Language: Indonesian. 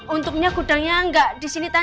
untungnya gudangnya gak disini tan